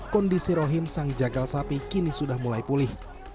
kondisi rohim sang jagal sapi kini sudah mulai pulih